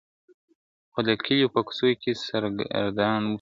خو د کلیو په کوڅو کي سرګردان سو ..